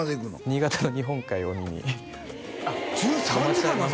新潟の日本海を見にあっ１３時間なんすか？